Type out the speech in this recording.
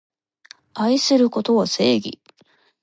愛することは正義